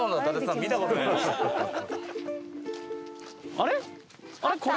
あれ？